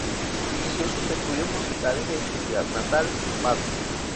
Inició sus estudios musicales en su ciudad natal, Ambato.